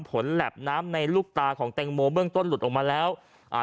แหลบน้ำในลูกตาของแตงโมเบื้องต้นหลุดออกมาแล้วอ่า